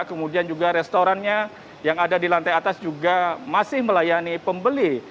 kemudian juga restorannya yang ada di lantai atas juga masih melayani pembeli